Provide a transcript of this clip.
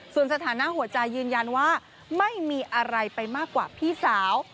ส่วนสถานะหัวใจยืนยันว่าไม่มีอะไรไปมากกว่าพี่สาว